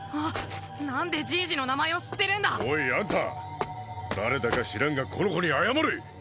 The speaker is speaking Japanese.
何でじいじの名前を知ってるんだおいあんた誰だか知らんがこの子に謝れ！